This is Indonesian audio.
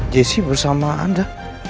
jesse bersama anda